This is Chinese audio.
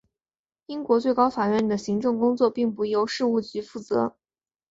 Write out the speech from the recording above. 英国最高法院的行政工作并不由事务局负责。